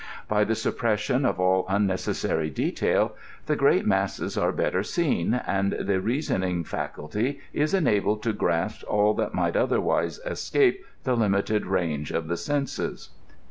By the suppression of aU unnecessary detail, the great masses are better seen, and the reasoning fiiculty is ^la bled to grasp aU iludt might otherwise escape tibe Umited range of the senses.